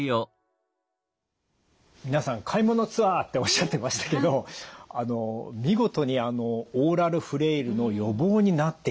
皆さん「買い物ツアー！」っておっしゃってましたけどあの見事にオーラルフレイルの予防になっている。